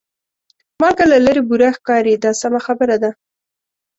مالګه له لرې بوره ښکاري دا سمه خبره ده.